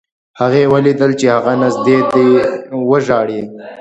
هغې ولیدل چې هغه نږدې دی وژاړي